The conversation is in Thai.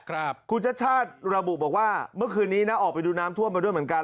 ครับคุณชาติชาติระบุบอกว่าเมื่อคืนนี้นะออกไปดูน้ำท่วมมาด้วยเหมือนกัน